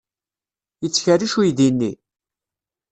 Yettkerric uydi-nni?